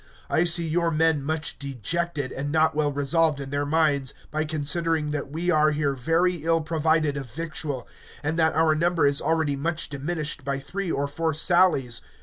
I see your men much dejected, and not well resolved in their minds, by considering that we are here very ill provided of victual, and that our number is already much diminished by three or four sallies.